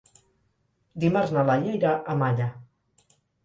Dimarts na Laia irà a Malla.